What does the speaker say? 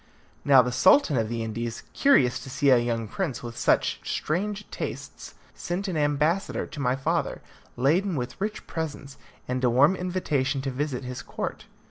Now the Sultan of the Indies, curious to see a young prince with such strange tastes, sent an ambassador to my father, laden with rich presents, and a warm invitation to visit his court.